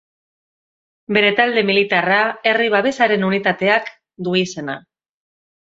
Bere talde militarra Herri Babesaren Unitateak du izena.